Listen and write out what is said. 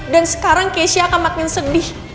dan sekarang keisha akan makin sedih